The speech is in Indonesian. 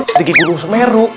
sedikit gudung sumeru